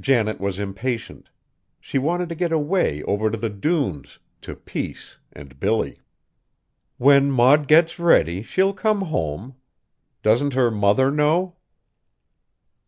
Janet was impatient. She wanted to get away over to the dunes, to peace and Billy. "When Maud gets ready, she'll come home. Doesn't her mother know?"